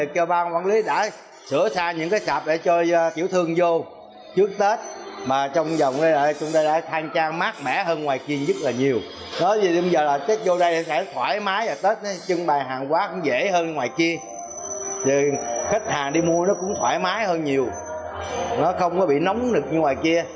khách hàng đi mua nó cũng thoải mái hơn nhiều nó không có bị nóng nực như ngoài kia